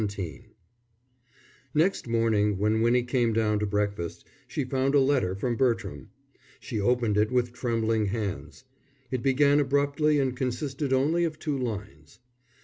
XVII Next morning, when Winnie came down to breakfast, she found a letter from Bertram. She opened it with trembling hands. It began abruptly and consisted only of two lines.